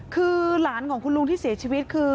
คือหลานของคุณลุงที่เสียชีวิตคือ